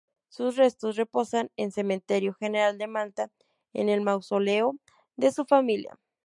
Sus restos reposan en Cementerio General de Manta, en el mausoleo de su familia.